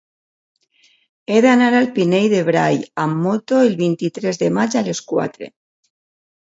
He d'anar al Pinell de Brai amb moto el vint-i-tres de maig a les quatre.